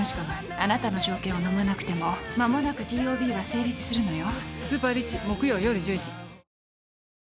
あなたの条件をのまなくても間もなくＴＯＢは成立するのよ。